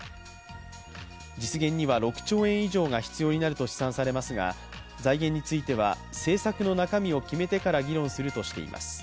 実現には６兆円以上が必要になると試算されますが財源については政策の中身を決めてから議論するとしています。